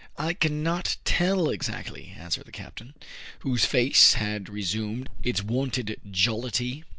" I cannot tell exactly," answered the captain, whose face had resumed its wonted jollity.